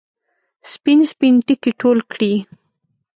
سپین، سپین ټکي ټول کړي